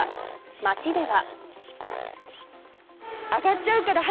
街では。